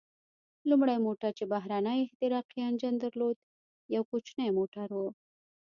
لومړی موټر چې بهرنی احتراقي انجن درلود، یو کوچنی موټر و.